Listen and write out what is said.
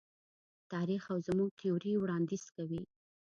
تاریخ او زموږ تیوري وړاندیز کوي.